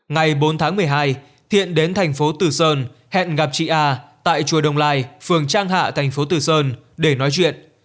ngày bốn tháng một mươi hai thiện đến thành phố từ sơn hẹn gặp chị a tại chùa đồng lai phường trang hạ thành phố từ sơn để nói chuyện